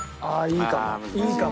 いいかも。